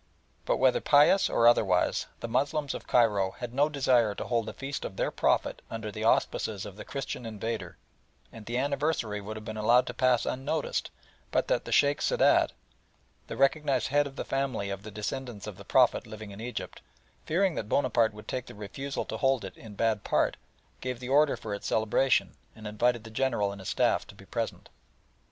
But whether pious or otherwise the Moslems of Cairo had no desire to hold the feast of their Prophet under the auspices of the Christian invader, and the anniversary would have been allowed to pass unnoticed but that the Sheikh Sadat, the recognised head of the family of the descendants of the Prophet living in Egypt, fearing that Bonaparte would take the refusal to hold it in bad part, gave the order for its celebration, and invited the General and his Staff to be present.